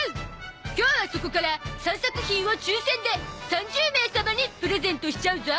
今日はそこから３作品を抽選で３０名様にプレゼントしちゃうゾ